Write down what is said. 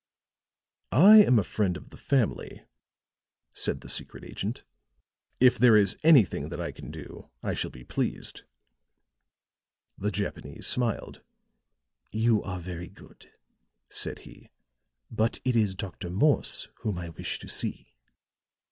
"I am a friend of the family," said the secret agent. "If there is anything that I can do I shall be pleased." The Japanese smiled. "You are very good," said he. "But it is Dr. Morse whom I wish to see."